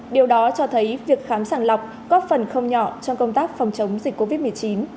điều đó cho thấy việc khám sàng lọc góp phần không nhỏ trong công tác phòng chống dịch covid một mươi chín